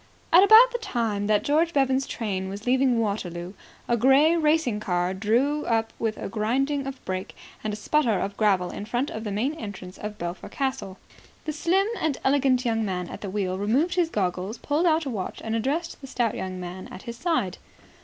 At about the time that George Bevan's train was leaving Waterloo, a grey racing car drew up with a grinding of brakes and a sputter of gravel in front of the main entrance of Belpher Castle. The slim and elegant young man at the wheel removed his goggles, pulled out a watch, and addressed the stout young man at his side.